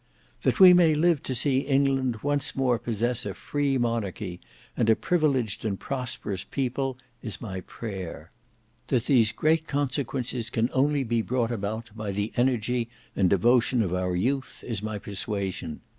That we may live to see England once more possess a free Monarchy and a privileged and prosperous People, is my prayer; that these great consequences can only be brought about by the energy and devotion of our Youth is my persuasion.